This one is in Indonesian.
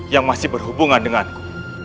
yang masih berhubungan denganku